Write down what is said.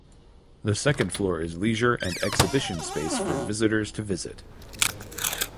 The second floor is leisure and exhibition space for visitors to visit.